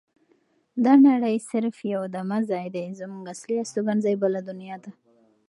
دا نړۍ صرف یو دمه ځای دی زمونږ اصلي استوګنځای بله دنیا ده.